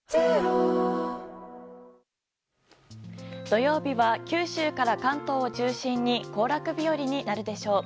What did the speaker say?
土曜日は九州から関東を中心に行楽日和になるでしょう。